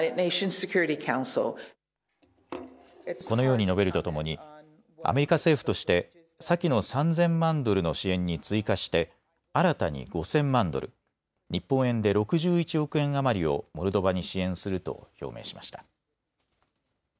このように述べるとともにアメリカ政府として先の３０００万ドルの支援に追加して新たに５０００万ドル、日本円で６１億円余りをモルドバに支援すると表明しました。